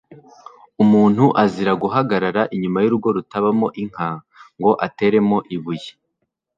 Umuntu azira guhagarara inyuma y’urugo rutahamo inka ngo ateremo ibuye,